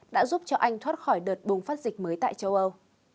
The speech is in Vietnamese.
đã giúp cho anh thoát khỏi đợt bùng phát dịch mới tại châu âu